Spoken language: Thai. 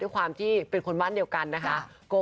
ความที่เป็นคนบ้านเดียวกันนะคะ